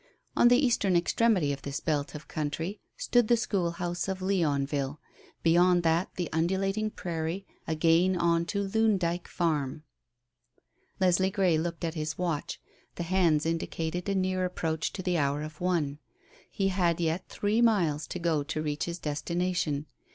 On the eastern extremity of this belt of country stood the school house of Leonville; beyond that the undulating prairie again on to Loon Dyke Farm. Leslie Grey looked at his watch; the hands indicated a near approach to the hour of one. He had yet three miles to go to reach his destination.